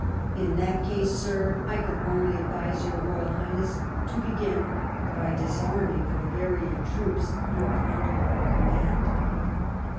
" In that case. Sir, I can only advise your Royal Highness to begin by disarming the Bavarian troops you have under your com mand."